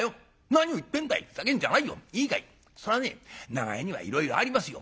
長屋にはいろいろありますよ。